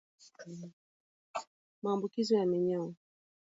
Maambukizi ya minyoo